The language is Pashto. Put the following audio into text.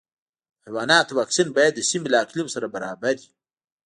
د حیواناتو واکسین باید د سیمې له اقلیم سره برابر وي.